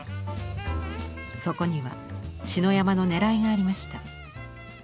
そこには篠山のねらいがありました。